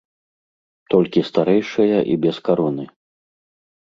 Толькі старэйшая і без кароны.